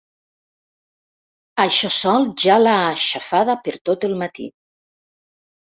Això sol ja l'ha aixafada per tot el matí.